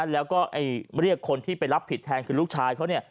แล้วก็เรียกคนที่ไปรับผิดแทนคือลูกชายเขา